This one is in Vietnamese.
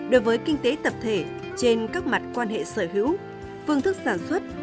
đối với kinh tế tập thể trên các mặt quan hệ sở hữu phương thức sản xuất